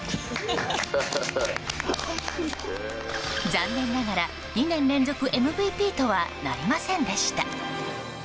残念ながら２年連続ＭＶＰとはなりませんでした。